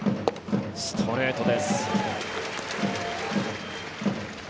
ストレートです。